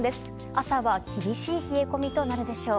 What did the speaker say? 朝は厳しい冷え込みとなるでしょう。